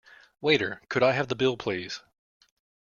Waiter, could I have the bill please?